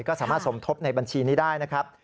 ก็สามารถสมทบในบัญชีนี้ได้นะครับ